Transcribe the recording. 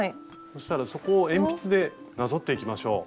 そしたらそこを鉛筆でなぞっていきましょう。